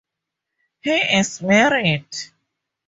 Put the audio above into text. He is married.